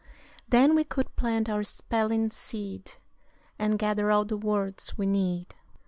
Then we could plant our spelling seed, And gather all the words we need.